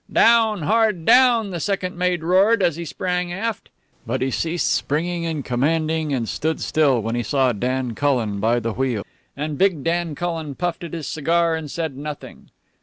"Down! Hard down!" the second mate roared, as he sprang aft. But he ceased springing and commanding, and stood still, when he saw Dan Cullen by the wheel. And big Dan Cullen puffed at his cigar and said nothing.